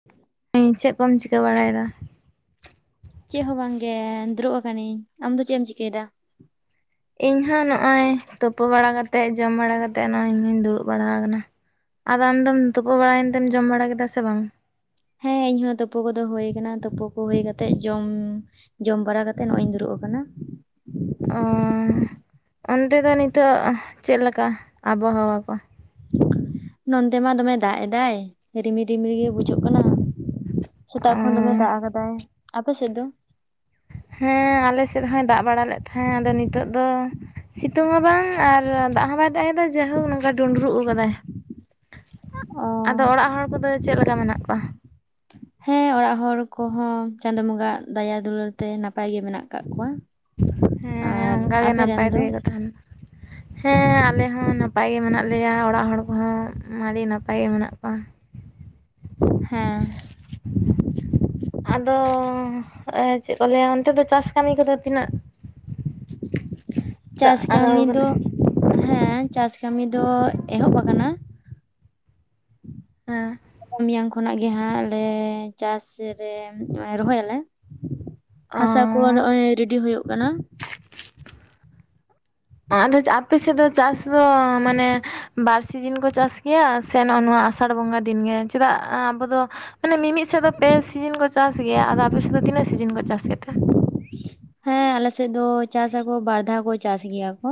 [inaudible] ᱦᱸ ᱪᱮᱫ ᱠᱚᱢ ᱪᱤᱠᱟᱹ ᱵᱟᱲᱟᱭᱮᱫᱟ᱾ ᱪᱮᱫ ᱦᱚᱸ ᱵᱟᱝᱜᱮ ᱫᱩᱲᱩᱵ ᱟᱠᱟᱱᱟᱹᱧ ᱟᱢᱫᱚ ᱪᱮᱫ ᱮᱢ ᱪᱤᱠᱟᱹᱭᱮᱫᱟ ᱤᱧ ᱦᱚᱸᱚᱸ ᱱᱚᱜᱼᱚᱭ ᱛᱩᱯᱩ ᱵᱟᱲᱟᱛᱮᱫ ᱡᱚᱢ ᱵᱟᱲᱟ ᱠᱟᱛᱮ ᱱᱚᱜᱚᱭ ᱤᱧ ᱦᱚᱧ ᱫᱩᱲᱩᱵ ᱵᱟᱲᱟ ᱟᱠᱟᱱᱟ᱾ ᱟᱫᱚ ᱟᱢᱫᱢ ᱛᱩᱯᱟᱹ ᱵᱟᱲᱟᱭᱮᱱ ᱛᱮᱢ ᱡᱚᱢ ᱵᱟᱲᱟ ᱠᱮᱫᱟ ᱥᱮ ᱵᱟᱝ ᱦᱮᱸ ᱤᱧᱦᱚᱸ ᱛᱩᱯᱩ ᱠᱚᱫᱚ ᱦᱩ ᱟᱠᱟᱱᱟ᱾ ᱛᱳᱯᱩ ᱠᱚ ᱦᱩᱭ ᱠᱟᱛᱮᱜ ᱡᱚᱢ ᱡᱚᱢ ᱵᱟᱲᱟ ᱠᱟᱛᱮᱜ ᱱᱚᱜ ᱤᱧ ᱫᱩᱲᱩᱵ ᱟᱠᱟᱱᱟ ᱚᱻ ᱚᱱᱛᱮ ᱫᱚ ᱱᱤᱛᱚᱜ ᱪᱮᱫ ᱞᱮᱠᱟ ᱟᱵᱚ ᱦᱟᱣᱟ ᱠᱚ ᱱᱚᱱᱛᱮ ᱢᱟ ᱫᱚᱢᱮ ᱫᱟᱜ ᱮᱫᱟᱭ ᱨᱤᱢᱤᱞ ᱨᱤᱢᱤᱞ ᱜᱮ ᱵᱩᱡᱷᱟᱹᱜ ᱠᱟᱱᱟ᱾ ᱚᱻ ᱥᱮᱛᱟᱜ ᱠᱷᱚᱱ ᱫᱚᱢᱮ ᱫᱟᱜ ᱟᱠᱟᱫᱟᱭ ᱟᱯᱮ ᱥᱮᱫ ᱫᱚ? ᱦᱮᱸ ᱟᱞᱮ ᱥᱮᱫ ᱦᱚᱸᱭ ᱫᱟᱜ ᱵᱟᱲᱟ ᱞᱮᱫ ᱛᱟᱦᱮᱸᱫ ᱟᱫᱚ ᱱᱤᱛᱚᱜ ᱫᱚ ᱥᱤᱛᱩᱝ ᱦᱚᱸ ᱵᱟᱝ ᱟᱨ ᱫᱟᱜ ᱦᱚᱸ ᱵᱟᱭ ᱫᱟᱜ ᱮᱫᱟ ᱡᱟᱭᱦᱳᱠ ᱱᱚᱝᱠᱟ ᱰᱩᱸᱰᱨᱩᱜ ᱟᱠᱟᱫᱟᱭ ᱚ ᱟᱫᱚ ᱚᱲᱟᱜ ᱦᱚᱲ ᱠᱚᱫᱚ ᱪᱮᱫ ᱞᱮᱠᱟ ᱢᱮᱱᱟᱜ ᱠᱚᱣᱟ [unintelligible] ᱦᱮᱸ ᱚᱲᱟᱜ ᱦᱚᱲ ᱠᱚᱦᱚᱸ ᱪᱟᱸᱫᱳ ᱵᱚᱸᱜᱟ ᱫᱟᱭᱟ ᱫᱩᱞᱟᱹᱲ ᱛᱮ ᱱᱟᱯᱟᱭ ᱜᱮ ᱢᱮᱱᱟᱜ ᱟᱠᱟᱜ ᱠᱚᱣᱟ ᱦᱮᱸ ᱟᱨ ᱚᱱᱠᱟ ᱜᱮ ᱟᱯᱮ ᱨᱮᱱ ᱱᱟᱯᱟᱭ ᱫᱚ ᱛᱮᱜᱮ ᱠᱚ ᱛᱟᱦᱮᱱᱟ᱾ ᱦᱮᱸ ᱟᱞᱮ ᱦᱚᱸ ᱱᱟᱯᱟᱭ ᱜᱮ ᱢᱮᱱᱟᱜ ᱞᱮᱭᱟ ᱚᱲᱟᱜ ᱦᱚᱲ ᱠᱚᱦᱚᱸ ᱟᱹᱰᱤ ᱱᱟᱯᱟᱭ ᱜᱮ ᱢᱮᱱᱟᱜ ᱠᱚᱣᱟ ᱦᱮᱸ ᱟᱫᱚ ᱪᱮᱫ ᱠᱚ ᱞᱟᱹᱭᱟ ᱚᱱᱛᱮ ᱫᱚ ᱪᱟᱥ ᱠᱟᱹᱢᱤ ᱠᱚᱫᱚ ᱛᱤᱱᱟᱹᱜ ᱴᱟᱜ ᱪᱟᱥ ᱟᱜᱟᱣ ᱠᱟᱹᱢᱤ ᱟᱠᱟᱱᱟ ᱫᱚ ᱦᱮᱸ ᱪᱟᱥ ᱠᱟᱹᱢᱤ ᱫᱚ ᱮᱦᱚᱵ ᱟᱠᱟᱱᱟ ᱦᱮᱸ ᱢᱮᱭᱟᱝ ᱠᱷᱚᱱᱟᱜ ᱜᱮ ᱦᱟᱸᱜ ᱟᱞᱮᱻ ᱪᱟᱥ ᱨᱮᱻ ᱨᱚᱦᱚᱭᱟᱞᱮ᱾ ᱚ ᱦᱟᱥᱟ ᱠᱚ ᱱᱚᱜᱼᱚᱭ ᱨᱮᱰᱤ ᱦᱩᱭᱩᱜ ᱠᱟᱱᱟ᱾ ᱟᱫᱚ ᱟᱯᱮ ᱥᱮᱫ ᱫᱚ ᱪᱟᱥ ᱫᱚ ᱢᱟᱱᱮ ᱵᱟᱨ ᱥᱤᱡᱚᱱ ᱠᱚ ᱪᱟᱥ ᱜᱮᱭᱟ ᱥᱮ ᱱᱚᱜᱼᱚᱭ ᱱᱚᱣᱟ ᱟᱥᱟᱲ ᱵᱚᱸᱜᱟ ᱫᱤᱱᱜᱮ ᱪᱮᱫᱟᱜ ᱟᱵᱚ ᱫᱚ ᱢᱟᱱᱮ ᱢᱤ-ᱢᱤᱫ ᱥᱮᱫ ᱫᱚ ᱯᱮ ᱥᱤᱡᱚᱱ ᱠᱚ ᱪᱟᱥ ᱜᱮᱭᱟ ᱟᱫᱚ ᱟᱯᱮ ᱥᱮᱫ ᱫᱚ ᱛᱤᱱᱟᱹᱜ ᱥᱤᱡᱚᱱ ᱠᱚ ᱪᱟᱥ ᱜᱮᱛᱮ ᱦᱮᱸ ᱟᱞᱮ ᱥᱮᱫ ᱫᱚ ᱪᱟᱥᱟᱠᱚ ᱵᱟᱨ ᱫᱷᱟᱣ ᱠᱚ ᱪᱟᱥ ᱜᱮᱭᱟ ᱠᱚ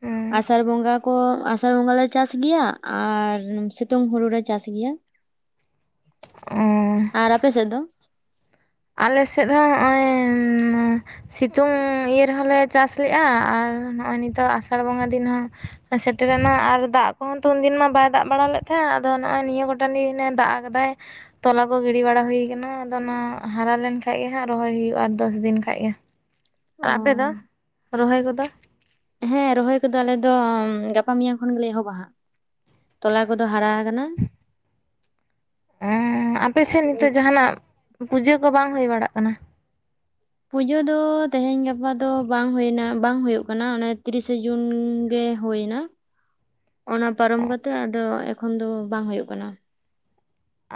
ᱦᱮᱸ ᱟᱥᱟᱲ ᱵᱚᱸᱜᱟ ᱠᱚ ᱟᱥᱟᱲ ᱵᱚᱸᱜᱟ ᱞᱮ ᱪᱟᱥ ᱜᱮᱭᱟ᱾ ᱟᱨ ᱥᱤᱛᱩᱝ ᱦᱩᱲᱩ ᱞᱮ ᱪᱟᱥ ᱜᱮᱭᱟ᱾ ᱚ ᱟᱨ ᱟᱯᱮ ᱥᱮᱫ ᱫᱚ? ᱟᱞᱮ ᱥᱮᱫ ᱦᱚᱸ ᱱᱚᱜᱼᱚᱭ ᱥᱤᱛᱩᱝ ᱤᱭᱟᱹ ᱨᱮᱦᱚᱸᱞᱮ ᱪᱟᱥ ᱞᱮᱜᱼᱟ ᱟᱨ ᱱᱚᱜᱼᱚᱭ ᱱᱤᱛᱚᱜ ᱟᱥᱟᱲ ᱵᱚᱸᱜᱟ ᱫᱤᱱ ᱦᱚᱸ ᱥᱮᱴᱮᱨᱮᱱᱟ ᱟᱨ ᱫᱟᱜ ᱠᱚᱦᱚᱸ ᱛᱚ ᱩᱱᱫᱤᱱ ᱢᱟ ᱵᱟᱭ ᱫᱟᱜ ᱵᱟᱲᱟ ᱞᱮᱫ ᱛᱟᱦᱮᱸᱜ ᱟᱫᱚ ᱱᱚᱜᱼᱚᱭ ᱱᱤᱭᱟᱹ ᱜᱚᱴᱟᱝ ᱫᱤᱱᱮ ᱫᱟᱜ ᱠᱮᱫᱟᱭ ᱛᱚᱞᱟ ᱠᱚ ᱜᱤᱰᱤ ᱵᱟᱲᱟ ᱦᱩᱭ ᱟᱠᱟᱱᱟ ᱟᱫᱚ ᱚᱱᱟ ᱦᱟᱨᱟ ᱞᱮᱱ ᱠᱷᱟᱡ ᱜᱮ ᱦᱟᱸᱜ ᱨᱚᱦᱚᱭ ᱦᱩᱭᱩᱜᱼᱟ ᱟᱨ ᱫᱚᱥ ᱫᱤᱱ ᱠᱷᱟᱡ ᱜᱮ ᱚ ᱟᱨ ᱟᱯᱮ ᱫᱚ ᱨᱚᱦᱚᱭ ᱠᱚᱫᱚ ᱦᱮᱸ ᱨᱚᱦᱚᱭ ᱠᱚᱫᱚ ᱟᱞᱮ ᱫᱚ ᱜᱟᱯᱟ ᱢᱮᱭᱟᱝ ᱠᱷᱚᱱ ᱜᱮᱞᱮ ᱮᱦᱚᱵᱟ᱾ ᱦᱟᱸᱜ ᱛᱚᱞᱟ ᱠᱚᱫᱚ ᱦᱟᱨᱟ ᱠᱟᱱᱟ᱾ ᱟᱯᱮ ᱥᱮᱫ ᱱᱤᱛᱚᱜ ᱡᱟᱦᱟᱸᱱᱟᱜ ᱯᱩᱡᱟᱹ ᱠᱚ ᱵᱟᱝ ᱦᱩᱭ ᱵᱟᱲᱟᱜ ᱠᱟᱱᱟ ᱯᱩᱡᱟᱹ ᱫᱚ ᱛᱮᱦᱮᱧ ᱜᱟᱯᱟ ᱫᱚ ᱵᱟᱝ ᱦᱩᱭᱮᱱᱟ ᱵᱟᱝ ᱦᱳᱭᱳᱜ ᱠᱟᱱᱟ ᱚᱱᱮ ᱛᱤᱨᱤᱥᱮ ᱡᱩᱱ ᱜᱮ ᱦᱩᱭᱮᱱᱟ ᱚᱱᱟ ᱯᱟᱨᱚᱢ ᱠᱟᱛᱮ ᱟᱫᱚ ᱮᱠᱷᱚᱱ ᱫᱚ ᱵᱟᱝ ᱦᱩᱭᱩᱜ ᱠᱟᱱᱟ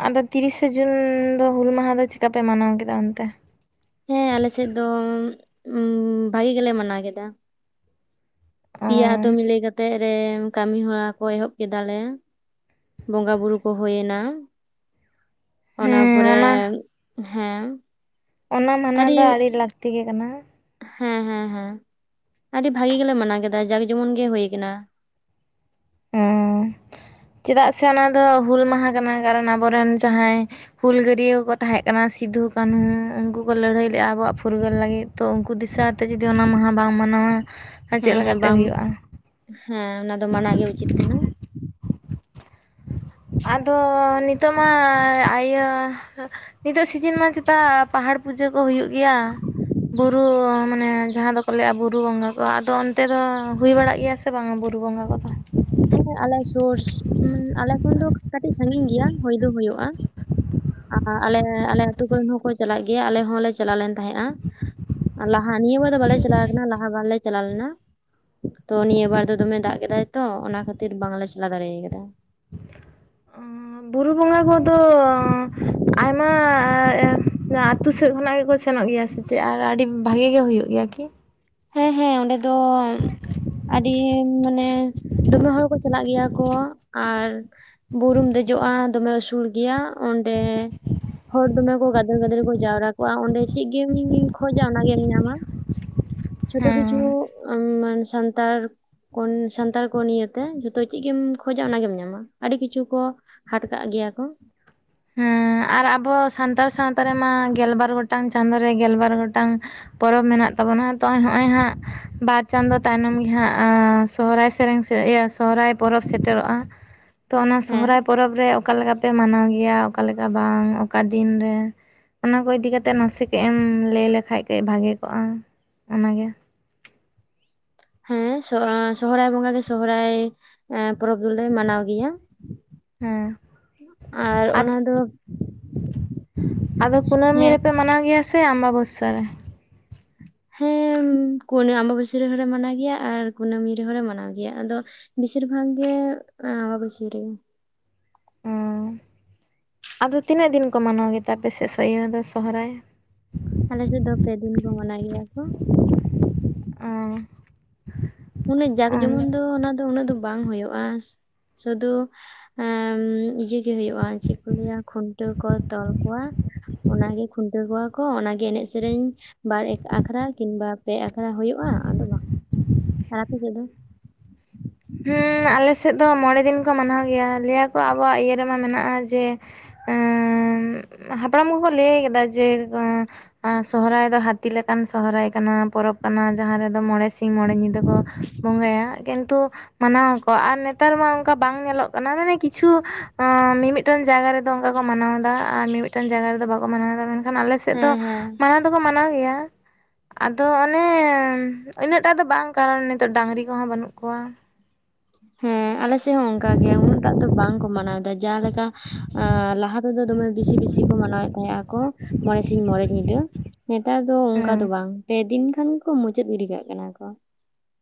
ᱟᱫᱚ ᱛᱤᱨᱤᱥᱮ ᱡᱩᱱ ᱫᱚ ᱦᱩᱞ ᱢᱟᱦᱟ ᱫᱚ ᱪᱤᱠᱟᱯᱮ ᱢᱟᱱᱟᱣ ᱠᱮᱫᱟ ᱚᱱᱛᱮ ᱦᱮᱸ ᱟᱞᱮ ᱥᱮᱫ ᱫᱚ ᱵᱷᱟᱜᱤ ᱜᱮᱞᱮ ᱢᱟᱱᱟᱣ ᱠᱮᱫᱟ᱾ ᱚ ᱯᱮᱭᱟ ᱟᱛᱩ ᱢᱤᱞᱟᱹᱣ ᱠᱟᱛᱮᱜ ᱨᱮ ᱠᱟᱹᱢᱤ ᱦᱚᱨᱟ ᱠᱚ ᱮᱦᱚᱵ ᱠᱮᱫᱟ ᱞᱮ᱾ ᱵᱚᱸᱜᱟ ᱵᱩᱨᱩ ᱠᱚ ᱦᱩᱭᱮᱱᱟ ᱚᱱᱟ ᱦᱮᱸ ᱯᱚᱨᱮ ᱚᱱᱟ ᱦᱮᱸ ᱚᱱᱟ ᱢᱟᱱᱟ ᱫᱚ ᱟᱹᱰᱤ ᱞᱟᱹᱠᱛᱤ ᱜᱮ ᱠᱟᱱᱟ ᱦᱮᱸ ᱦᱮᱸ ᱦᱮᱸ, ᱟᱹᱰᱤ ᱵᱷᱟᱜᱤ ᱜᱮᱞᱮ ᱢᱟᱱᱟᱣ ᱠᱮᱫᱟ ᱡᱟᱠ ᱡᱮᱢᱚᱱ ᱜᱮ ᱦᱩᱭ ᱟᱠᱟᱱᱟ᱾ ᱚᱸᱻ ᱪᱮᱫᱟᱜ ᱥᱮ ᱚᱱᱟ ᱫᱚ ᱦᱩᱞ ᱢᱟᱦᱟ ᱠᱟᱱᱟ᱾ ᱠᱟᱨᱚᱱ ᱟᱵᱚᱨᱮᱱ ᱡᱟᱦᱟᱸᱭ ᱦᱩᱞᱜᱟᱹᱨᱤᱭᱟᱹ ᱠᱚᱠᱚ ᱛᱟᱦᱮᱸ ᱠᱟᱱᱟ ᱥᱤᱫᱩ ᱠᱟᱹᱱᱦᱩ ᱩᱱᱠᱩ ᱠᱚ ᱞᱟᱹᱲᱦᱟᱹᱭ ᱞᱮᱫ-ᱟ ᱟᱵᱚᱣᱟᱜ ᱯᱷᱩᱨᱜᱟᱹᱞ ᱞᱟᱹᱜᱤᱫ᱾ ᱛᱚ ᱩᱱᱠᱩ ᱫᱤᱥᱟᱹᱟᱛᱮ ᱡᱚᱫᱤ ᱚᱱᱟ ᱢᱟᱦᱟ ᱵᱟᱢ ᱢᱟᱱᱟᱣᱟ ᱪᱮᱫ ᱦᱮᱸ ᱦᱮᱸ ᱞᱮᱠᱟᱛᱮ ᱵᱟᱝ ᱦᱩᱭᱩᱜᱼᱟ ᱦᱮᱸ ᱚᱱᱟ ᱫᱚ ᱢᱟᱱᱟ ᱜᱮ ᱩᱪᱤᱛ ᱠᱟᱱᱟ ᱟᱫᱚ ᱱᱤᱛᱚᱜ ᱢᱟ ᱤᱭᱟᱹ ᱱᱤᱛᱚᱜ ᱥᱤᱡᱚᱱ ᱢᱟ ᱪᱮᱛᱟ ᱯᱟᱦᱟᱲ ᱯᱩᱡᱟᱹ ᱠᱚ ᱦᱩᱭᱩᱜ ᱜᱮ ᱜᱮᱭᱟ ᱵᱩᱨᱩ ᱢᱟᱱᱮ ᱡᱟᱦᱟᱸ ᱫᱚ ᱠᱚ ᱞᱮᱫᱼᱟ ᱵᱩᱨᱩ ᱵᱚᱸᱜᱟ ᱠᱚ ᱟᱫᱚ ᱚᱱᱛᱮ ᱫᱚ ᱦᱩᱭ ᱵᱟᱲᱟᱜ ᱜᱮᱭᱟ ᱥᱮ ᱵᱟᱝᱟ ᱵᱩᱨᱩ ᱵᱚᱸᱜᱟ ᱠᱚᱫᱚ ᱦᱮᱸ ᱟᱞᱮ ᱥᱩᱨ ᱟᱞᱮ ᱠᱷᱚᱱ ᱫᱚ ᱠᱟᱹᱴᱤᱡ ᱥᱟᱺᱜᱤᱧ ᱜᱮᱭᱟ ᱦᱩᱭ ᱫᱚ ᱦᱳᱭᱳᱜᱼᱟ ᱟᱨ ᱟᱞᱮ ᱟᱞᱮ ᱟᱹᱛᱩ ᱠᱚᱨᱮᱱ ᱦᱚᱸᱠᱚ ᱪᱟᱞᱟᱜ ᱜᱮᱭᱟ ᱟᱞᱮ ᱦᱚᱸᱞᱮ ᱪᱟᱞᱟᱣ ᱞᱮᱱ ᱛᱟᱦᱮᱸᱼᱟ ᱞᱟᱦᱟ ᱱᱤᱭᱟᱹ ᱵᱟᱨ ᱫᱚ ᱵᱟᱞᱮ ᱪᱟᱞᱟᱣ ᱟᱠᱟᱱᱟ ᱞᱟᱦᱟ ᱵᱟᱨᱞᱮ ᱪᱟᱞᱟᱣ ᱞᱮᱱᱟ ᱛᱚ ᱱᱤᱭᱟᱹ ᱵᱟᱨ ᱫᱚ ᱫᱚᱢᱮ ᱫᱟᱜ ᱠᱮᱫᱟᱭ ᱛᱚ ᱚᱱᱟ ᱠᱷᱟᱹᱛᱤᱨ ᱵᱟᱝᱞᱮ ᱪᱟᱞᱟᱣ ᱫᱟᱲᱮ ᱟᱠᱟᱫᱟ᱾ ᱚ ᱵᱩᱨᱩ ᱵᱚᱸᱜᱟ ᱠᱚᱫᱚ ᱟᱭᱢᱟ ᱟᱛᱩ ᱥᱮᱫ ᱠᱷᱚᱱᱟᱜ ᱜᱮᱠᱚ ᱥᱮᱱᱚᱜ ᱜᱮᱭᱟ ᱥᱮ ᱪᱮᱫ ᱟᱨ ᱟᱹᱰᱤ ᱵᱷᱟᱜᱤ ᱜᱮ ᱦᱩᱭᱩᱜ ᱜᱮᱭᱟ ᱠᱤ, ᱦᱮᱸ ᱦᱮᱸ ᱚᱸᱰᱮ ᱫᱚ ᱟᱹᱰᱤ ᱢᱟᱱᱮ ᱫᱚᱢᱮ ᱦᱚᱲ ᱠᱚ ᱪᱟᱞᱟᱜ ᱜᱮᱭᱟ ᱠᱚ ᱟᱨ ᱵᱩᱨᱩᱢ ᱫᱮᱡᱚᱜ-ᱟ ᱫᱚᱢᱮ ᱩᱥᱩᱞ ᱜᱮᱭᱟ ᱚᱸᱰᱮ ᱦᱚᱲ ᱫᱚᱢᱮ ᱠᱚ ᱜᱟᱫᱮᱞ ᱜᱟᱫᱮᱞ ᱠᱚ ᱡᱟᱣᱨᱟ ᱠᱚᱜ-ᱟ ᱚᱸᱰᱮ ᱪᱮᱫ ᱜᱮᱢ ᱠᱷᱚᱡᱟ ᱚᱱᱟᱜᱨᱢ ᱧᱟᱢᱟ ᱡᱚᱛᱚ ᱠᱤᱪᱷᱩ ᱦᱮᱸ ᱢᱟᱱ ᱥᱟᱱᱛᱟᱲ ᱚᱱᱟ ᱥᱟᱱᱛᱟᱲ ᱠᱚ ᱱᱤᱭᱮᱛᱮ ᱡᱚᱛᱚ ᱪᱮᱫ ᱜᱮᱢ ᱠᱷᱚᱡᱟ ᱚᱱᱟᱜᱮᱢ ᱧᱟᱢᱟ ᱟᱹᱰᱤ ᱠᱤᱪᱷᱩ ᱠᱚ ᱦᱟᱴ ᱠᱟᱜ ᱜᱮᱭᱟ ᱠᱚ ᱦᱮᱸ ᱟᱨ ᱟᱵᱚ ᱥᱟᱱᱛᱟᱲ ᱥᱟᱶᱛᱟ ᱨᱮᱢᱟ ᱜᱮᱞᱵᱟᱨ ᱜᱚᱴᱟᱝ ᱪᱟᱸᱫᱩ ᱨᱮ ᱜᱮᱞᱵᱟᱨ ᱜᱚᱴᱟᱝ ᱯᱚᱨᱚᱵᱽ ᱢᱮᱱᱟᱜ ᱛᱟᱵᱚᱱᱟ ᱛᱚ ᱱᱚᱜ-ᱚᱭ ᱦᱟᱸᱜ ᱵᱟᱨ ᱪᱟᱸᱫᱚ ᱛᱟᱭᱱᱚᱢ ᱜᱮ ᱦᱟᱸᱜ ᱥᱚᱦᱚᱨᱟᱭ ᱥᱮᱨᱮᱧ ᱥᱮ ᱥᱚᱦᱚᱨᱟᱭ ᱯᱚᱨᱚᱵ ᱥᱮᱴᱮᱨᱚᱜ-ᱟ ᱛᱚ ᱚᱱᱟ ᱦᱮᱸ ᱥᱚᱦᱚᱨᱟᱭ ᱯᱚᱨᱚᱵ ᱨᱮ ᱚᱠᱟ ᱞᱮᱠᱟ ᱯᱮ ᱢᱟᱱᱟᱣ ᱜᱮᱭᱟ? ᱜᱮᱭᱟ ᱚᱠᱟᱮᱠᱟ ᱵᱟᱝ ᱚᱠᱟ ᱫᱤᱱ ᱨᱮ ᱚᱱᱟ ᱠᱚ ᱤᱫᱤ ᱠᱟᱛᱮᱫ ᱱᱟᱥᱮ ᱠᱟᱹᱡ ᱮᱢ ᱞᱟᱹᱭ ᱞᱮᱠᱷᱟᱡ ᱠᱟᱹᱡ ᱵᱷᱟᱜᱮ ᱠᱚᱜᱼᱟ ᱚᱱᱟᱜᱮ ᱦᱮᱸ ᱥᱚᱦᱚᱨᱟᱭ ᱵᱚᱸᱜᱟ ᱜᱮ ᱥᱚᱦᱚᱨᱟᱭ ᱮ ᱯᱚᱨᱚᱵᱽ ᱫᱚᱞᱮ ᱢᱟᱱᱟᱣ ᱜᱮᱭᱟ ᱦᱮᱸ ᱟᱨ ᱟᱫ ᱚᱱᱟ ᱫᱚ ᱟᱫᱚ ᱠᱩᱱᱟᱹᱢᱤ ᱦᱮᱸ ᱨᱮᱯᱮ ᱢᱟᱱᱟᱣ ᱜᱮᱭᱟ ᱥᱮ ᱟᱢᱵᱟ ᱵᱚᱥᱥᱟ ᱨᱮ? ᱦᱮᱸ ᱟᱢᱵᱟᱵᱟᱹᱥᱟᱹ ᱨᱮᱦᱚᱸᱞᱮ ᱢᱟᱱᱟᱣ ᱜᱮᱭᱟ ᱟᱨ ᱠᱩᱱᱟᱹᱢᱤ ᱨᱮᱦᱚᱸᱞᱮ ᱢᱟᱱᱟᱣ ᱜᱮᱭᱟ ᱟᱫᱚ ᱵᱮᱥᱤᱨ ᱵᱷᱟᱜᱽ ᱜᱮ ᱚᱵᱚᱥᱤᱨᱤᱧ ᱚ ᱟᱫᱚ ᱛᱤᱱᱟᱹᱜ ᱫᱤᱱ ᱠᱚ ᱢᱟᱱᱟᱣ ᱜᱮᱛᱟ ᱯᱮ ᱥᱮ ᱥᱮᱭᱳ ᱫᱚ ᱥᱚᱦᱚᱨᱟᱭ ᱟᱞᱮᱥᱮᱫ ᱫᱚ ᱯᱮᱫᱤᱱ ᱠᱚ ᱢᱟᱱᱟ ᱜᱮᱭᱟ ᱠᱚ, ᱟ [unintelligible] ᱩᱱᱟᱹᱜ ᱡᱟᱸᱠ ᱡᱮᱢᱚᱱ ᱫᱚ ᱚᱱᱟ ᱫᱚ ᱩᱱᱟᱹᱜ ᱫᱚ ᱵᱟᱝ ᱦᱩᱭᱩᱜ-ᱟ ᱥᱩᱫᱩ ᱟᱸᱜ ᱩᱢ ᱤᱭᱟᱹ ᱜᱮ ᱦᱩᱭᱩᱜ-ᱟ ᱪᱮᱫ ᱠᱚ ᱞᱟᱹᱭᱟ ᱠᱷᱩᱱᱴᱟᱹᱣ ᱠᱚ ᱛᱚᱞ ᱠᱚᱣᱟ, ᱚᱱᱟᱜᱮ ᱠᱷᱩᱱᱴᱟᱹᱣ ᱠᱚᱣᱟ ᱠᱚ ᱚᱱᱟᱜᱮ ᱮᱱᱮᱡ ᱥᱮᱨᱮᱧ ᱵᱟᱨ ᱮᱠ ᱟᱠᱷᱲᱟ ᱠᱤᱢᱵᱟ ᱯᱮ ᱟᱠᱷᱲᱟ ᱦᱩᱭᱩᱜ-ᱟ ᱟᱫᱚ ᱵᱟᱝ ᱟᱨ ᱟᱯᱮ ᱥᱮᱫ ᱫᱚ? ᱦᱮᱸ ᱟᱞᱮᱥᱮᱫ ᱫᱚ ᱢᱚᱬᱮ ᱫᱤᱱ ᱠᱚ ᱢᱟᱱᱟᱣ ᱜᱮᱭᱟ ᱞᱟᱹᱭᱟᱠᱚ ᱟᱵᱚᱣᱟᱜ ᱤᱭᱟᱹ ᱨᱮᱢᱟ ᱢᱮᱱᱟᱜ-ᱟ ᱡᱮ- ᱮ ᱦᱟᱯᱲᱟᱢ ᱠᱚᱠᱚ ᱞᱟᱹᱭ ᱟᱠᱟᱫᱟ ᱡᱮ ᱟᱨ ᱥᱚᱦᱚᱨᱟᱭ ᱫᱚ ᱦᱟᱛᱤ ᱞᱮᱠᱟᱱ ᱥᱚᱦᱚᱨᱟᱭ ᱠᱟᱱᱟ ᱯᱚᱨᱚᱵᱽ ᱠᱟᱱᱟ ᱡᱟᱦᱟᱸ ᱨᱮᱫᱚ ᱢᱚᱬᱮ ᱥᱤᱧ ᱢᱚᱬᱮ ᱧᱤᱫᱟᱹ ᱠᱚ ᱵᱚᱸᱜᱟᱭᱟ ᱠᱤᱱᱛᱩ ᱢᱟᱱᱟᱣᱟ ᱠᱚ ᱟᱞᱮ ᱱᱮᱛᱟᱨ ᱢᱟ ᱚᱱᱠᱟ ᱵᱟᱝ ᱧᱮᱞᱚᱜ ᱠᱟᱱᱟ ᱢᱟᱱᱮ ᱠᱤᱪᱷᱩ ᱢᱤᱢᱤᱫᱴᱟᱝ ᱡᱟᱭᱜᱟ ᱨᱮᱫᱚ ᱚᱱᱠᱟ ᱠᱚ ᱢᱟᱱᱟᱣ ᱮᱫᱟ ᱟᱨ ᱢᱤ ᱢᱤᱫ ᱞᱟᱸᱡᱟ ᱦᱚᱲ ᱫᱚ ᱵᱟᱠᱚ ᱢᱟᱱᱟᱣᱮᱫᱟ ᱢᱮᱱᱠᱷᱟᱱ ᱟᱞᱮ ᱥᱮᱫ ᱫᱚ ᱦᱮᱸ ᱦᱮᱸ ᱢᱟᱱᱟᱣ ᱫᱚᱠᱚ ᱢᱟᱱᱟᱣ ᱜᱮᱭᱟ ᱟᱫᱚ ᱚᱱᱮ ᱩᱱᱟᱹᱜᱴᱟᱜ ᱫᱚ ᱵᱟᱝ ᱠᱟᱨᱚᱱ ᱱᱤᱛᱩᱜ ᱰᱟᱝᱨᱤ ᱠᱚᱦᱚᱸ ᱵᱟᱹᱱᱩᱜ ᱠᱚᱣᱟ᱾ ᱦᱮᱸ ᱟᱞᱮᱥᱮᱫ ᱦᱚᱸ ᱚᱱᱠᱟ ᱜᱮ ᱩᱱᱟᱹᱜ ᱴᱟᱜ ᱫᱚ ᱵᱟᱝᱠᱚ ᱢᱟᱱᱟᱣ ᱫᱟ ᱡᱟᱦᱟᱸᱞᱮᱠᱟ ᱟ ᱞᱟᱦᱟ ᱛᱮᱫᱚ ᱫᱚᱢᱮ ᱵᱮᱥᱤ ᱵᱮᱥᱤ ᱠᱚ ᱢᱟᱱᱟᱣᱮᱫ ᱛᱟᱦᱮᱸᱜ ᱟᱠᱚ ᱢᱚᱬᱮ ᱥᱤᱧ ᱢᱚᱬᱮ ᱧᱤᱫᱟᱹ ᱱᱮᱛᱟᱨ ᱫᱚ ᱚᱱᱠᱟ ᱦᱮᱸ ᱫᱚ ᱵᱟᱝ ᱯᱮᱫᱤᱱ ᱠᱷᱟᱱ ᱜᱮᱠᱚ ᱢᱩᱪᱟᱹᱫ ᱜᱤᱰᱤ ᱠᱟᱜ ᱠᱟᱱᱟ ᱠᱚ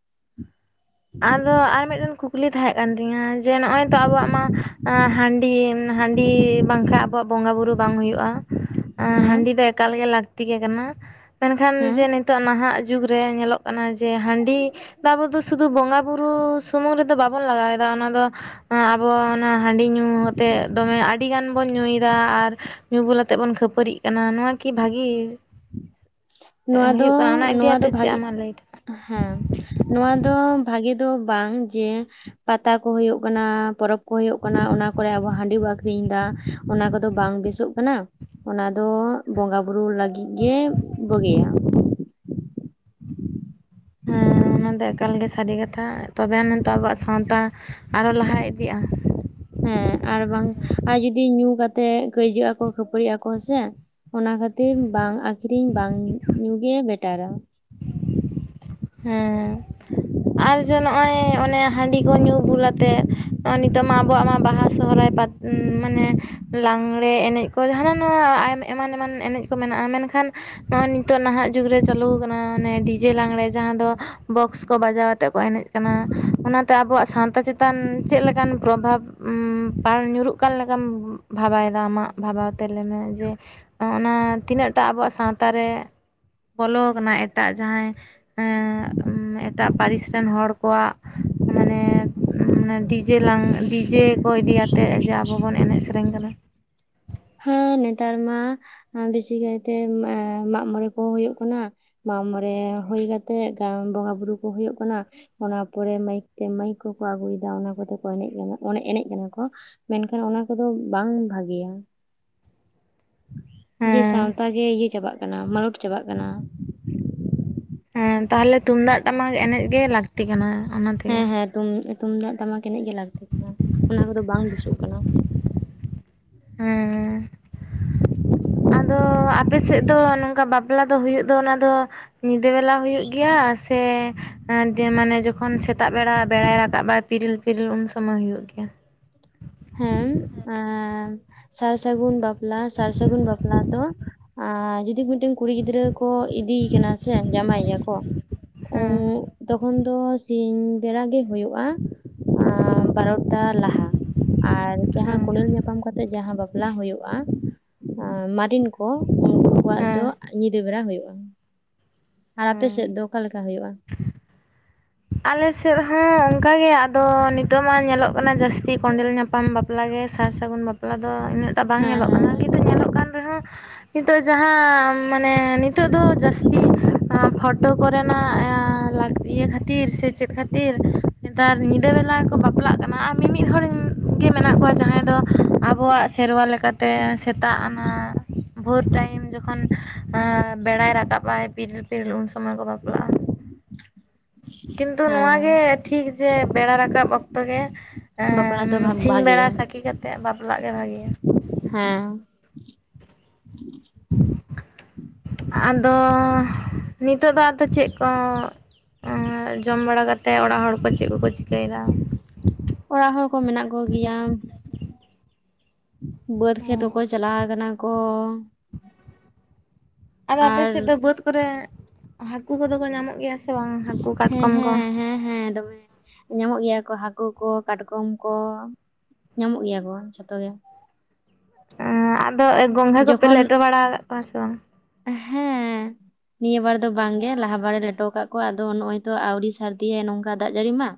[inaudible] ᱟᱫᱚ ᱟᱨ ᱢᱤᱫᱴᱮᱱ ᱠᱩᱠᱞᱤ ᱛᱟᱦᱮᱸᱡ ᱠᱟᱱ ᱛᱤᱧᱟᱹ ᱡᱮ ᱱᱚᱜ-ᱚᱭ ᱛᱚ ᱟᱵᱚᱣᱟᱜ ᱢᱟ ᱟ ᱦᱟᱺᱰᱤ ᱦᱟᱺᱰᱤ ᱵᱟᱝᱠᱷᱟᱱ ᱟᱵᱚᱣᱟᱜ ᱵᱚᱸᱜᱟ ᱵᱩᱨᱩ ᱵᱟᱝ ᱦᱩᱭᱩᱜ-ᱟ ᱟ ᱦᱮᱸ ᱦᱟᱺᱰᱤ ᱫᱚ ᱮᱠᱟᱞᱜᱮ ᱞᱟᱹᱠᱛᱤ ᱜᱮ ᱠᱟᱱᱟ, ᱢᱮᱱᱠᱷᱟᱱ ᱦᱮᱸ ᱡᱮ ᱱᱤᱛᱚᱜ ᱱᱟᱦᱟᱜ ᱡᱩᱜ ᱨᱮ ᱧᱮᱞᱚᱜ ᱠᱟᱱᱟ ᱡᱮ ᱦᱟᱺᱰᱤ ᱫᱟᱵᱩ ᱫᱩ ᱥᱩᱫᱩ ᱵᱚᱸᱜᱟ ᱵᱩᱨᱩ ᱥᱩᱢᱩᱝ ᱨᱮᱫᱚ ᱵᱟᱵᱚᱱ ᱞᱟᱜᱟᱭᱮᱫᱟ ᱚᱱᱟ ᱫᱚ ᱟ ᱟᱵᱚ ᱚᱱᱟ ᱦᱟᱺᱰᱤ ᱧᱩ ᱠᱟᱛᱮ ᱫᱚᱢᱮ ᱟᱹᱰᱤᱜᱟᱱ ᱵᱚᱱ ᱧᱩᱭᱮᱫᱟ ᱟᱨ ᱧᱩ ᱵᱩᱞ ᱟᱛᱮᱜ ᱵᱚᱱ ᱠᱷᱟᱹᱯᱟᱹᱨᱤᱜ ᱠᱟᱱᱟ ᱱᱚᱣᱟ ᱠᱤ ᱵᱷᱟᱜᱤ ᱱᱚᱣᱟ ᱫᱚ ᱦᱩᱭᱩᱜ ᱠᱟᱱᱟ ᱚᱱᱟ ᱱᱚᱣᱟ ᱫᱚ ᱤᱫᱤᱟᱛᱮ ᱪᱮᱫ ᱵᱷᱟᱜᱤ ᱟᱢᱟᱜ ᱞᱟᱹᱭᱫᱚ ᱦᱮᱸ ᱱᱚᱣᱟ ᱫᱚ ᱵᱷᱟᱜᱮ ᱫᱚ ᱵᱟᱝ ᱡᱮ ᱯᱟᱛᱟ ᱠᱚ ᱦᱩᱭᱩᱜ ᱠᱟᱱᱟ ᱯᱚᱨᱚᱵᱽ ᱠᱚ ᱦᱩᱭᱩᱜ ᱠᱟᱱᱟ ᱚᱱᱟ ᱠᱚᱨᱮᱜ ᱟᱵᱚ ᱦᱟᱺᱰᱤ ᱵᱚ ᱟᱹᱷᱨᱤᱧ ᱮᱟ ᱚᱱᱟ ᱠᱚᱫᱚ ᱵᱟᱝ ᱵᱮᱥᱚᱜ ᱠᱟᱱᱟ ᱚᱱᱟ ᱫᱚ ᱵᱚᱸᱜᱟ ᱵᱩᱨᱩ ᱞᱟᱹᱜᱤᱫ ᱜᱮ ᱵᱩᱜᱤᱭᱟ ᱦᱮᱸ ᱦ [inaudible] ᱚᱱᱟ ᱫᱚ ᱮᱠᱟᱞ ᱜᱮ ᱥᱟᱹᱨᱤ ᱠᱟᱛᱷᱟ ᱛᱚᱵᱮ ᱱᱤᱛᱚᱜ ᱟᱵᱚᱣᱟᱜ ᱥᱟᱶᱛᱟ ᱟᱨᱚ ᱞᱟᱦᱟ ᱤᱫᱤᱜᱼᱟ ᱦᱮᱸ ᱟᱨ ᱵᱟᱝ ᱟᱨ ᱡᱩᱫᱤ ᱧᱩ ᱠᱟᱛᱮ ᱠᱟᱹᱭᱡᱟᱹᱜ ᱟᱠᱚ ᱠᱷᱟᱹᱯᱟᱹᱨᱤᱜ ᱟᱠᱚ ᱥᱮ ᱚᱱᱟ ᱠᱷᱟᱹᱛᱤᱨ ᱵᱟᱝ ᱟᱠᱷᱨᱤᱧ ᱵᱟᱝ ᱧᱩ ᱜᱮ ᱵᱮᱴᱟᱨᱟ ᱦᱮᱸ ᱟᱨ ᱡᱮ ᱱᱚᱜᱼᱚᱭ ᱚᱱᱮ ᱦᱟᱺᱰᱤ ᱠᱚ ᱧᱩ ᱵᱩᱞᱟ ᱟᱛᱮ ᱱᱚᱜᱼᱚᱭ ᱱᱤᱛᱚᱜ ᱢᱟ ᱟᱵᱚᱣᱟᱜ ᱢᱟ ᱵᱟᱦᱟ ᱥᱚᱦᱚᱨᱟᱭ ᱢᱟᱱᱮ ᱞᱟᱸᱜᱽᱬᱮ ᱮᱱᱮᱡ ᱠᱚ ᱦᱟᱱᱟ ᱱᱚᱣᱟ ᱮᱢᱟᱱ ᱮᱢᱟᱱ ᱮᱱᱮᱡ ᱠᱚ ᱢᱮᱱᱟᱜᱼᱟ ᱢᱮᱱᱠᱷᱟᱱ ᱱᱚᱜᱚᱭ ᱱᱤᱛᱚᱜ ᱱᱟᱦᱟᱜ ᱡᱩᱜᱽ ᱨᱮ ᱪᱟᱹᱞᱩ ᱟᱠᱟᱱᱟ ᱢᱟᱱᱮ ᱰᱤᱡᱮ ᱟᱝᱜᱬᱮ ᱡᱟᱦᱟᱸ ᱫᱚ ᱵᱚᱠᱥ ᱠᱚ ᱵᱟᱡᱟᱣ ᱟᱛ ᱠᱚ ᱮᱱᱮᱡ ᱠᱟᱱᱟ ᱚᱱᱟᱛᱮ ᱟᱵᱚᱣᱟᱜ ᱥᱟᱶᱛᱟ ᱪᱮᱛᱟᱱ ᱪᱮᱫ ᱞᱮᱠᱟᱱ ᱯᱨᱚᱵᱷᱟᱵᱽ? ᱯᱟᱲ ᱧᱩᱨᱩᱜ ᱠᱟᱱ ᱞᱮᱠᱟᱢ ᱵᱷᱟᱵᱟᱭᱮᱫᱟ ᱟᱢᱟᱜ ᱵᱷᱟᱵ ᱛᱮᱞᱮ ᱢᱮ ᱡᱮ ᱚᱱᱟ ᱛᱤᱱᱟᱹᱜᱴᱟ ᱟᱵᱚᱣᱟᱜ ᱥᱟᱶᱛᱟ ᱨᱮ ᱵᱚᱞᱚ ᱠᱟᱱᱟ ᱮᱴᱟᱜ ᱡᱟᱦᱟᱸᱭ ᱮᱴᱟᱜ ᱯᱟᱹᱨᱤᱥ ᱨᱮᱱ ᱦᱚᱲ ᱠᱚᱣᱟᱜ ᱢᱟᱱᱮ ᱢᱟᱱᱮ ᱰᱤᱡᱮ ᱞᱟᱝ ᱰᱤᱡᱮ ᱠᱚ ᱤᱫᱤᱭᱟᱛᱮᱫ ᱡᱮ ᱟᱵᱚ ᱵᱚᱱ ᱮᱱᱮᱡ ᱥᱮᱨᱮᱧ ᱠᱟᱱᱟ ᱦᱮᱸ ᱱᱮᱛᱟᱨ ᱢᱟ ᱵᱮᱥᱤᱤᱠᱟᱭᱛᱮ ᱢᱟᱜ ᱢᱚᱬᱮ ᱠᱚᱦᱚᱸ ᱦᱩᱭᱩᱜ ᱠᱟᱱᱟ ᱢᱟᱜᱢᱚᱬᱮ ᱦᱩᱭ ᱠᱟᱛᱮᱫ ᱵᱚᱸᱜᱟ ᱵᱩᱨᱩ ᱠᱚ ᱦᱩᱭᱩᱜ ᱠᱟᱱᱟ ᱚᱱᱟ ᱯᱚᱨᱮ ᱢᱟᱹᱭᱤᱠ ᱛᱮ ᱢᱟᱹᱭᱤᱠ ᱠᱚᱠᱚ ᱟᱹᱜᱩᱭᱮᱫᱟ ᱚᱱᱟ ᱠᱚᱛᱮ ᱠᱚ ᱮᱱᱮᱡ ᱠᱟᱱᱟ ᱮᱱᱮᱡ ᱠᱟᱱᱟ ᱠᱚ ᱢᱮᱱᱠᱷᱟᱱ ᱚᱱᱟ ᱠᱚᱫᱚ ᱵᱟᱝ ᱵᱷᱟᱹᱜᱤᱭᱟ᱾ ᱡᱮ ᱦᱮᱸ ᱥᱟᱶᱛᱟ ᱜᱮ ᱤᱭᱟᱹ ᱪᱟᱵᱟᱜ ᱠᱟᱱᱟ ᱢᱟᱞᱚᱴ ᱪᱟᱵᱟᱜ ᱠᱟᱱᱟ ᱦᱮᱸ ᱛᱟᱦᱚᱞᱮ ᱛᱩᱢᱫᱟᱜ ᱴᱟᱢᱟᱠ ᱮᱱᱮᱡ ᱜᱮ ᱞᱟᱹᱠᱛᱤ ᱠᱟᱱᱟ ᱦᱮᱸ ᱚᱱᱟᱛᱮᱜᱮ ᱦᱮᱸ ᱛᱩᱢᱫᱟᱜ ᱴᱟᱢᱟᱠ ᱮᱱᱮᱡ ᱜᱮ ᱞᱟᱹᱠᱛᱤ ᱠᱟᱱᱟ ᱚᱱᱟ ᱠᱚᱫᱚ ᱵᱟᱝ ᱵᱩᱮᱥᱚᱜ ᱠᱟᱱᱟ᱾ ᱦᱮᱸ [inaudible] ᱟᱫᱚ ᱟᱯᱮ ᱥᱮᱫ ᱫᱚ ᱱᱚᱝᱠᱟ ᱵᱟᱯᱞᱟ ᱫᱚ ᱦᱩᱭᱩᱜ ᱫᱚ ᱚᱱᱟ ᱫᱚ ᱧᱤᱫᱟᱹ ᱵᱮᱞᱟ ᱦᱩᱭᱩᱜ ᱜᱮᱭᱟ ᱥᱮ ᱮ ᱢᱟᱱᱮ ᱡᱚᱠᱷᱚᱱ ᱥᱮᱛᱟᱜ ᱵᱮᱲᱟ ᱵᱮᱲᱟᱭ ᱨᱟᱠᱟᱵᱟᱭ ᱯᱤᱨᱤᱞ ᱯᱤᱨᱤᱞ ᱩᱱ ᱥᱚᱢᱚᱭ ᱦᱩᱭᱩᱜ ᱜᱮᱭᱟ ᱦᱮᱸ ᱮᱸ ᱥᱟᱨ ᱥᱟᱹᱜᱩᱱ ᱵᱟᱯᱞᱟ ᱥᱟᱨ ᱥᱟᱹᱜᱩᱱ ᱵᱟᱯᱞᱟ ᱫᱚ ᱟ ᱡᱩᱫᱤ [inaudible] ᱢᱤᱫᱴᱮᱱ ᱢᱤᱫ ᱴᱮᱱ ᱠᱩᱲᱤ ᱜᱤᱫᱽᱨᱟᱹ ᱠᱚ ᱤᱫᱤᱭᱮ ᱠᱟᱱᱟ ᱥᱮ ᱡᱟᱶᱟᱭᱮᱭᱟ ᱠᱚ ᱦᱮᱸ ᱛᱚᱠᱷᱚᱱ ᱫᱚ ᱥᱤᱧ ᱵᱮᱲᱟ ᱜᱮ ᱦᱩᱭᱩᱜᱼᱟ ᱵᱟᱨᱚᱴᱟ ᱞᱟᱦᱟ ᱟᱨ ᱡᱟᱦᱟᱸ ᱦᱮᱸ ᱠᱚᱸᱰᱮᱞ ᱧᱟᱯᱟᱢ ᱠᱟᱛᱮᱜ ᱡᱟᱦᱟᱸ ᱵᱟᱯᱞᱟ ᱦᱩᱭᱩᱜᱼᱟ ᱢᱟᱨᱤᱱ ᱠᱚ ᱩᱱᱠᱩ ᱣᱟᱜ ᱦᱮᱸ ᱫᱚ ᱧᱤᱫᱟᱹ ᱵᱮᱨᱟ ᱦᱩᱭᱩᱜᱼᱟ ᱟᱨ ᱦᱮᱸ ᱟᱯᱮᱥᱮᱫ ᱫᱚ ᱚᱠᱟᱞᱮ ᱞᱮᱠᱟ ᱦᱩᱭᱩᱜᱼᱟ ᱟᱞ ᱥᱮᱫ ᱦᱚᱸ ᱚᱱᱠᱟ ᱜᱮ ᱟᱫᱚ ᱱᱤᱛᱚᱜ ᱢᱟ ᱧᱮᱞᱚᱜ ᱠᱟᱱᱟ ᱡᱟᱹᱥᱛᱤ ᱠᱚᱸᱰᱮᱞ ᱧᱟᱯᱟᱢ ᱵᱟᱯᱞᱟᱜ ᱜᱮ ᱥᱟᱨ ᱥᱟᱹᱜᱩᱱ ᱵᱟᱯᱞᱟ ᱫᱚ ᱤᱱᱟᱹᱜ ᱴᱟᱜ ᱵᱟᱝ ᱦᱮᱸ ᱧᱮᱞᱚᱜ ᱦᱮᱸ ᱠᱟᱱᱟ ᱦᱮᱸ ᱠᱤᱱᱛᱩ ᱧᱮᱞᱚᱜ ᱠᱟᱱ ᱨᱮᱦᱚᱸ ᱱᱤᱛᱚᱜ ᱡᱟᱦᱟᱸ ᱢᱟᱱᱮ ᱱᱤᱛᱚᱜ ᱫᱚ ᱡᱟᱹᱥᱛᱤ ᱯᱷᱳᱴᱳ ᱠᱚᱨᱮᱱᱟᱜ ᱤᱭᱟᱹ ᱠᱷᱟᱹᱛᱤᱨ ᱛᱤᱨ ᱥᱮ ᱪᱮᱫ ᱠᱷᱟᱹᱛᱤᱨ ᱱᱮᱛᱟᱨ ᱧᱤᱫᱟᱹ ᱵᱮᱞᱟ ᱠᱚ ᱵᱟᱯᱞᱟᱜ ᱠᱟᱱᱟ ᱟᱨ ᱢᱤᱢᱤᱫ ᱦᱚᱲ ᱜᱮ ᱢᱮᱱᱟᱜ ᱠᱚᱣᱟ ᱡᱟᱦᱟᱸᱭ ᱫᱚ ᱟᱵᱚᱣᱟᱜ ᱥᱮᱨᱣᱟ ᱞᱮᱠᱟᱛᱮ ᱥᱮᱛᱟᱜ ᱱᱚᱣᱟ ᱵᱷᱳᱨ ᱴᱟᱭᱤᱢ ᱡᱚᱠᱷᱚᱱ ᱵᱮᱲᱟᱭ ᱨᱟᱠᱟᱵ ᱟᱭ ᱯᱤᱨᱞ ᱯᱤᱨᱤᱞ ᱩᱱ ᱥᱚᱢᱚᱭ ᱠᱚ ᱵᱟᱯᱞᱟᱜᱼᱟ ᱠᱤᱱᱛᱩ ᱦᱮᱸ ᱱᱚᱣᱟᱜᱮ ᱴᱷᱤᱠ ᱡᱮ ᱵᱮᱲᱟ ᱨᱟᱠᱟᱵ ᱚᱠᱛᱚ ᱜᱮ ᱵᱟᱯᱞᱟ ᱫᱚ ᱵᱷᱟ ᱥᱤᱧ ᱵᱮᱲᱟ ᱵᱷᱟᱜᱮᱭᱟ ᱥᱟᱹᱠᱷᱤ ᱠᱟᱛᱮᱜ ᱵᱟᱯᱞᱟᱜ ᱜᱮ ᱵᱷᱟᱜᱤᱭᱟ ᱦᱮᱸ [inaudible] ᱟᱫᱚ ᱱᱤᱛᱚᱜ ᱫᱚ ᱟᱫᱚ ᱪᱮᱫ ᱠᱚ? ᱡᱚᱢ ᱵᱟᱲᱟ ᱠᱟᱛᱮᱮᱫ ᱚᱲᱟᱜ ᱦᱚᱲ ᱠᱚ ᱪᱮᱫ ᱠᱚᱠᱚ ᱪᱤᱠᱟᱹᱭᱮᱫᱟ? ᱚᱲᱟᱜ ᱦᱚᱲ ᱠᱚ ᱢᱮᱱᱟᱜ ᱠᱚᱜᱮᱭᱟ ᱵᱟᱹᱫᱽ ᱠᱷᱮᱛ ᱦᱚᱸᱠᱚ ᱪᱟᱞᱟᱣ ᱠᱟᱱᱟ ᱠᱚ᱾ ᱟᱫᱚ ᱟᱯᱮ ᱟᱨ ᱥᱮᱫ ᱫᱚ ᱵᱟᱹᱫᱽ ᱠᱚᱨᱮ ᱦᱟᱹᱠᱩ ᱠᱚᱫᱚ ᱠᱚ ᱧᱟᱢᱚᱜ ᱜᱮᱭᱟ ᱥᱮ ᱵᱟᱝ ᱦᱟᱹᱠᱩ ᱦᱮᱸ ᱠᱟᱴᱠᱚᱢ ᱠᱚ? ᱦᱮᱸ ᱦᱮᱸ ᱦᱮᱸ ᱫᱚᱢᱮ ᱧᱟᱢᱚᱜ ᱜᱮᱭᱟ ᱠᱚ ᱦᱟᱹᱠᱩ ᱠᱚ ᱠᱟᱴᱠᱚᱢ ᱠᱚ ᱧᱟᱢᱚᱜ ᱜᱮᱭᱟ ᱠᱚ ᱡᱷᱚᱛᱚ ᱜᱮ ᱮᱸ ᱟᱫᱚ ᱜᱚᱸᱜᱷᱟ ᱠᱚᱯᱮ ᱡᱚᱠᱷᱚᱱ ᱞᱮᱴᱚ ᱵᱟᱲᱟ ᱠᱟᱜ ᱠᱚᱣᱟ ᱥᱮ ᱵᱟᱝ? ᱦᱮᱸ ᱱᱤᱭᱟᱹ ᱵᱟᱨ ᱫᱚ ᱵᱟᱝᱜᱮ ᱞᱟᱦᱟ ᱵᱟᱨᱮ ᱞᱮᱴᱚ ᱟᱠᱟᱫ ᱠᱚᱣᱟ ᱟᱫᱚ ᱱᱚᱜᱼᱚᱭ ᱛᱚ ᱟᱣᱨᱤ ᱥᱟᱹᱨᱫᱤᱭᱮ ᱱᱚᱝᱠᱟ ᱫᱟᱜ ᱡᱟᱹᱲᱤ ᱢᱟ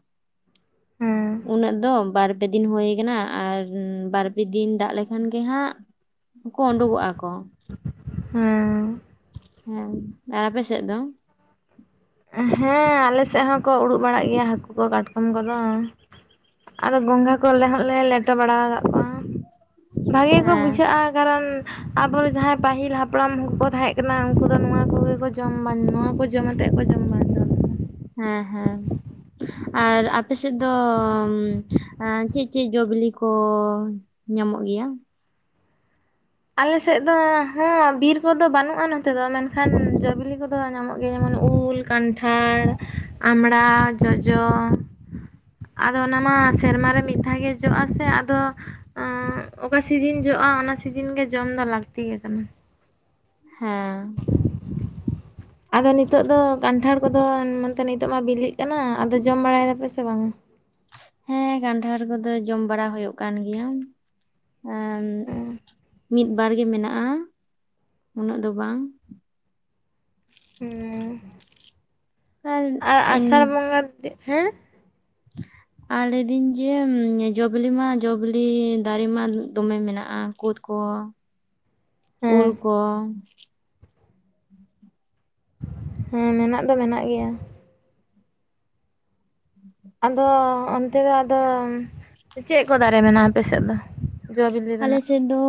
ᱦᱮᱸ ᱩᱱᱟᱹᱜ ᱫᱚ ᱵᱟᱨ ᱯᱮ ᱫᱤᱱ ᱦᱩᱭ ᱠᱟᱱᱟ ᱟᱨ ᱵᱟᱨ ᱯᱮ ᱫᱤᱱ ᱫᱟᱜ ᱞᱮᱠᱷᱟᱱ ᱜᱮ ᱦᱟᱸᱜ ᱩᱱᱠᱩ ᱩᱰᱩᱠᱚᱜᱼᱟ ᱠᱚ᱾ ᱦᱮᱸ ᱦᱮᱸ ᱟᱨ ᱟᱯᱮ ᱥᱮᱫ ᱫᱚ ᱦᱮᱸ ᱟᱞᱮ ᱥᱮᱫ ᱦᱚᱸᱠᱚ ᱩᱰᱩᱠ ᱵᱟᱲᱟᱜ ᱜᱮᱭᱟ ᱦᱟᱹᱠᱩ ᱠᱚ ᱠᱟᱴᱠᱚᱢ ᱠᱚᱫᱚ ᱟᱫᱚ ᱜᱚᱸᱜᱷᱟ ᱠᱚ ᱟᱞᱮ ᱦᱚᱸᱞᱮ ᱞᱮᱴᱚ ᱵᱟᱲᱟ ᱟᱠᱟᱫ ᱠᱚᱣᱟ᱾ ᱵᱷᱟᱜᱮ ᱠᱚ ᱦᱮᱸ ᱵᱩᱡᱷᱟᱹᱜᱼᱟ, ᱠᱟᱨᱚᱱ ᱟᱵᱚᱨᱮᱱ ᱡᱟᱦᱟᱸᱭ ᱯᱟᱹᱦᱤᱞ ᱦᱟᱯᱲᱟᱢ ᱠᱚᱠᱚ ᱛᱟᱦᱮᱸ ᱠᱟᱱᱟ᱾ ᱩᱱᱠᱩ ᱫᱚ ᱱᱚᱣᱟ ᱠᱚᱜᱮ ᱠᱚ ᱡᱚᱢ ᱵᱟᱝ ᱱᱚᱣᱟ ᱠᱚ ᱡᱚᱢ ᱟᱛᱮᱫ ᱦᱚᱭ ᱛᱚᱵᱮ ᱢᱟ ᱾ ᱦᱮᱸ ᱦᱮᱸ ᱟᱨ ᱟᱯᱮ ᱥᱮᱫ ᱫᱚ ᱮᱸᱜ ᱪᱮᱫ ᱪᱮᱫ ᱡᱚ ᱵᱤᱞᱤ ᱠᱚ ᱧᱟᱢᱚᱜ ᱜᱮᱭᱟ ᱟᱞᱮ ᱥᱮᱫ ᱫᱚ ᱦᱮᱸ ᱵᱤᱨ ᱠᱚᱫᱚ ᱵᱟᱹᱱᱩᱜᱼᱟ ᱱᱚᱛᱮ ᱫᱚ ᱢᱮᱱᱠᱷᱟᱱ ᱡᱚ-ᱵᱤᱞᱤ ᱠᱚᱫᱚ ᱧᱟᱢᱚᱜ ᱜᱮᱭᱟ, ᱡᱮᱢᱚᱱ ᱩᱞ ᱠᱟᱱᱴᱷᱟᱲ, ᱟᱢᱲᱟ, ᱡᱚᱡᱚ ᱟᱫᱚ ᱚᱱᱟ ᱢᱟ ᱥᱮᱨᱢᱟᱟᱨ ᱨᱮ ᱢᱤᱫ ᱫᱷᱟᱣ ᱜᱮ ᱡᱚᱜ-ᱟ ᱥᱮ ᱟᱫᱚ᱾ ᱮᱸᱜ, ᱚᱠᱟ ᱥᱤᱡᱤᱱ ᱡᱚᱜᱼᱟ, ᱚᱱᱟ ᱥᱤᱡᱤᱱ ᱜᱮ ᱡᱚᱢ ᱫᱚ ᱞᱟᱹᱠᱛᱤ ᱜᱮ ᱠᱟᱱᱟ᱾ ᱦᱮᱸ ᱟᱫᱚ ᱱᱤᱛᱚᱜ ᱫᱚ ᱠᱟᱱᱴᱷᱟᱲ ᱠᱚᱫᱚ ᱢᱮᱱᱛᱮ ᱱᱤᱛᱚᱜ ᱢᱟ ᱵᱤᱞᱤᱜ ᱠᱟᱱᱟ ᱟᱫᱚ ᱡᱚᱢ ᱵᱟᱲᱟᱭᱮᱫᱟᱯᱮ ᱥᱮ ᱵᱟᱝᱟ ᱦᱮᱸ ᱠᱟᱱᱴᱷᱟᱲ ᱠᱚᱫᱚ ᱡᱚᱢ ᱵᱟᱲᱟ ᱦᱩᱭᱩᱜ ᱠᱟᱱ ᱜᱮᱭᱟ ᱮᱸᱜ ᱢᱤᱫ ᱵᱟᱨ ᱜᱮ ᱢᱮᱱᱟᱜᱼᱟ, ᱩᱱᱟᱹᱜ ᱫᱚ ᱵᱟᱝ᱾ ᱦᱮᱸ [unintelligible] ᱟᱨ ᱤᱧ ᱟᱥᱟᱲ ᱵᱚᱸᱜᱟ, ᱦᱮᱸ [unintelligible] ᱟᱨ ᱞᱟᱹᱭᱫᱟᱹᱧ ᱡᱮ ᱡᱚ-ᱵᱤᱞᱤ ᱢᱟ ᱡᱚ-ᱵᱤᱞᱤ ᱫᱟᱨᱮ ᱢᱟ ᱫᱚᱢᱮ ᱢᱮᱱᱟᱜᱼᱟ, ᱠᱩᱫ ᱠᱚ᱾ ᱦᱮᱸ ᱩᱞ ᱠᱚ ᱦᱮᱸ ᱢᱮᱱᱟᱜ ᱫᱚ ᱢᱮᱱᱟᱜ ᱜᱮᱭᱟ ᱟᱫᱚ ᱚᱱᱛᱮ ᱫᱚ ᱟᱫᱚ ᱪᱮᱫ ᱠᱚ ᱫᱟᱨᱮ ᱢᱮᱱᱟᱜᱼᱟ ᱟᱯᱮ ᱥᱮᱫ ᱫᱚ? ᱡᱚ ᱵᱤᱞᱤ ᱟᱞᱮ ᱨᱮᱱᱟᱜ? ᱥᱮᱫ ᱫᱚ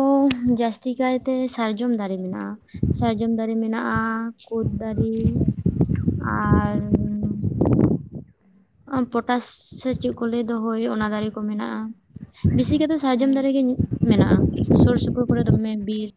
ᱡᱟᱹᱥᱛᱤ ᱠᱟᱭ ᱛᱮ ᱥᱟᱨᱡᱚᱢ ᱫᱟᱨᱮ ᱢᱮᱱᱟᱜᱼᱟ, ᱥᱟᱨᱡᱚᱢ ᱫᱟᱨᱮ ᱢᱮᱱᱟᱜᱼᱟ᱾ ᱠᱩᱫᱽ ᱫᱟᱨᱤ ᱟᱨ [inaudible] ᱯᱚᱴᱟᱥ ᱥᱮ ᱪᱮᱫ ᱠᱚ ᱞᱟᱹᱭ ᱫᱚ ᱦᱳᱭ ᱚᱱᱟ ᱫᱟᱨᱮ ᱠᱚ ᱢᱮᱱᱟᱜᱼᱟ ᱵᱮᱥᱤ ᱠᱟᱛᱮᱫ ᱥᱟᱨᱡᱚᱢ ᱦᱮᱸ ᱫᱟᱨᱮ ᱜᱮ ᱢᱮᱱᱟᱜᱼᱟ ᱥᱩᱨ ᱥᱩᱯᱩᱨ ᱠᱚᱨᱮ ᱫᱚᱢᱮ ᱵᱤᱨ